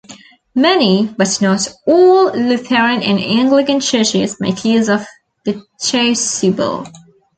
Many, but not all, Lutheran and Anglican churches make use of the chasuble.